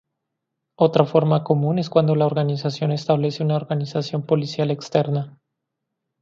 Otra forma común es cuando la organización establece una organización policial externa.